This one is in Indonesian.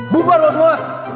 bubar lo semua